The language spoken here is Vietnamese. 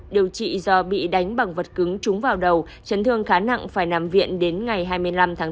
điều trị do bị đánh bằng vật cứng trúng vào đầu chấn thương khá nặng phải nằm viện đến ngày hai mươi năm tháng tám